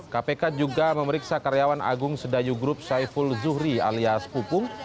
kpk juga memeriksa karyawan agung sedayu grup saiful zuhri alias pupung